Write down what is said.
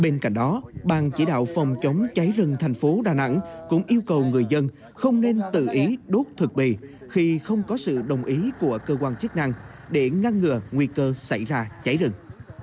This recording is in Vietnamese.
bên cạnh đó bang chỉ đạo phòng chống cháy rừng thành phố đà nẵng cũng yêu cầu người dân không nên tự ý đốt thực bì khi không có sự đồng ý của cơ quan chức năng để ngăn ngừa nguy cơ xảy ra cháy rừng